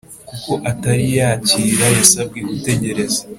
kuko atariyakira Yasabwe gutegereza